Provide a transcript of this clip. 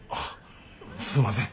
すんません。